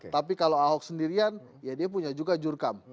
tapi kalau ahok sendirian ya dia punya juga jurkam